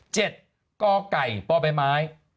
๗ก้อกไก่ป้อใบไม้